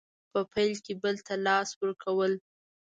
په پیل کې بل ته د لاس ورکول